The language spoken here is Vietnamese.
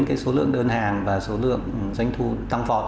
cái số lượng đơn hàng và số lượng doanh thu tăng vọt